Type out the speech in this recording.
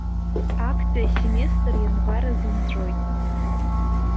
Актәи асеместр ианвар азы инҵәоит.